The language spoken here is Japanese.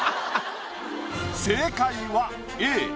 正解はＡ。